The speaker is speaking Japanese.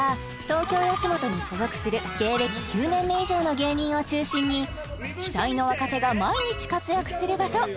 東京吉本に所属する芸歴９年目以上の芸人を中心に期待の若手が毎日活躍する場所